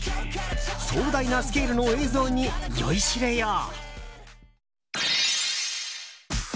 壮大なスケールの映像に酔いしれよう。